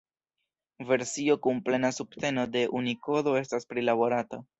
Versio kun plena subteno de Unikodo estas prilaborata.